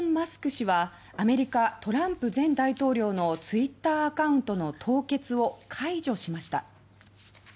氏はアメリカのトランプ前大統領のツイッターアカウントの凍結を解除しました。